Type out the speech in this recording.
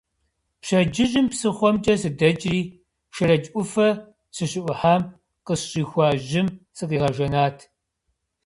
Пщэдджыжьым псыхъуэмкӏэ сыдэкӏри Шэрэдж ӏуфэ сыщыӏухьам къысщӏихуа жьым сыкъигъэжэнат.